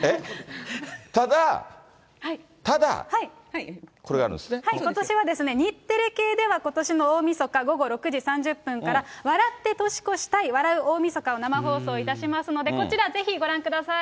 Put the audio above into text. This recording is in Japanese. ただ、ことしは、日テレ系ではことしの大みそか午後６時３０分から、笑って年越したい！笑う大晦日を生放送しますので、こちら、ぜひご覧ください。